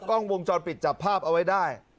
กล้องวงจรปิดจับภาพเอาไว้ได้